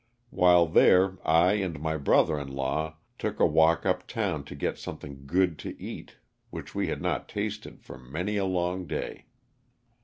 While there I and my brother in law took a walk up town to get something good to eat which we had not tasted for many a long day.